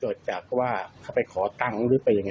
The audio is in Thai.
จดจากว่าจะไปขอแต่งหรือเปล่ายังไง